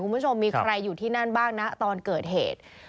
คุณผู้ชมมีใครอยู่ที่นั่นบ้างนะตอนเกิดเหตุ